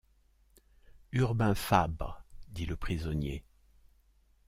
Urbain Fabre, dit le prisonnier.